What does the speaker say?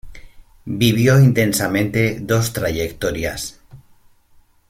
Vivió intensamente dos trayectorias.